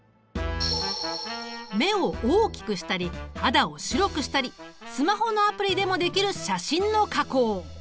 目を大きくしたり肌を白くしたりスマホのアプリでもできる写真の加工。